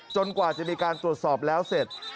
กว่าจะมีการตรวจสอบแล้วเสร็จ